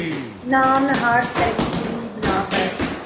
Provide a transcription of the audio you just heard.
نام نہاد ترقی کی بنا پر